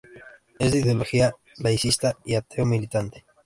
Es de ideología laicista y ateo militante.